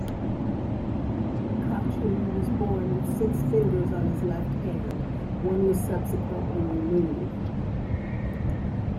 Cotchery was born with six fingers on his left hand; one was subsequently removed.